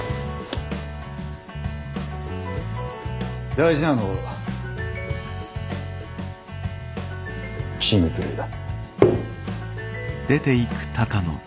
大事なのはチームプレーだ。